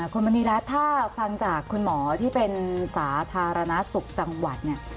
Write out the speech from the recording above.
คุณมณีรัฐถ้าฟังจากคุณหมอที่เป็นสาธารณสุขจังหวัดเนี่ย